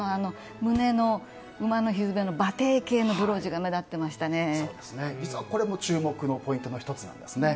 胸の馬の蹄の馬蹄形のブローチが実は、これも注目のポイントの１つなんですね。